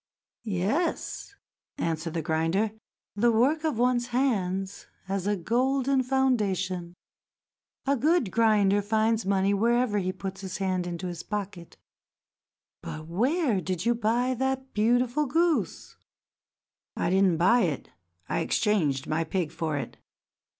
"Yes," answered the grinder. "The work of one's hands has a golden foundation. A good grinder finds money whenever he puts his hand into his pocket. But where did you buy that beautiful goose?" "I did not buy it; I exchanged my pig for it."